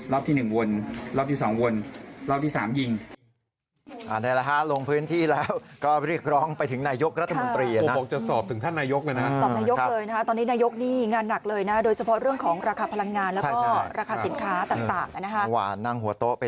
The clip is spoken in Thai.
ที่๑วนรอบที่๒วนรอบที่๓ยิง